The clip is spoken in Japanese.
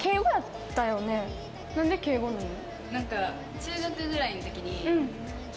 何で敬語なの？